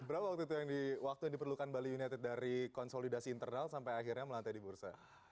berapa waktu itu waktu yang diperlukan bali united dari konsolidasi internal sampai akhirnya melantai di bursa